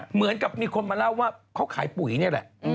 เหมือนกับมีคนมาเล่าว่าเขาขายปุ๋ยนี่แหละ